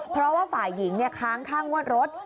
เพราะว่าฝ่ายหญิงค้างค่างวดรถ